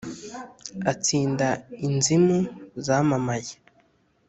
atsinda inzimu zamamaye,